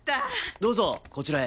どうぞこちらへ。